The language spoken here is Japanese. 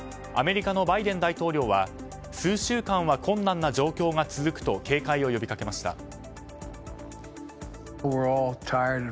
アメリカのバイデン大統領は数週間は困難な状況が続くと警戒を呼びかけました。